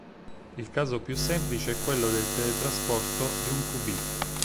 Il caso più semplice è quello del teletrasporto di un qubit.